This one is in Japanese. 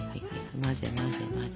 混ぜ混ぜ混ぜ。